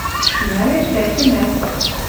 Нӓлеш пятьӹмӓт.